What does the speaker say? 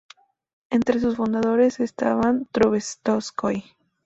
Entre sus fundadores estaba Trubetskói.